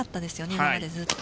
今までずっと。